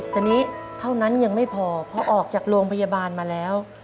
แต่นี้เท่านั้นยังไม่พอพอออกจากโรงพยาบาลมาแล้ว